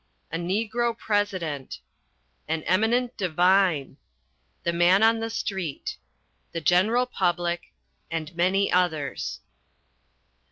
A NEGRO PRESIDENT. AN EMINENT DIVINE. THE MAN ON THE STREET. THE GENERAL PUBLIC. And many others.